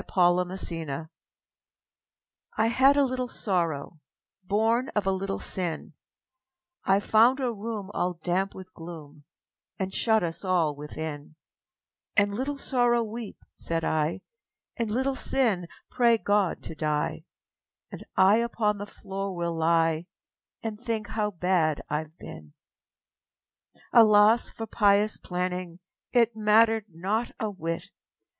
The Penitent I had a little Sorrow, Born of a little Sin, I found a room all damp with gloom And shut us all within; And, âLittle Sorrow, weep,â said I, âAnd, Little Sin, pray God to die, And I upon the floor will lie And think how bad Iâve been!â Alas for pious planning It mattered not a whit!